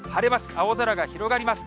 青空が広がります。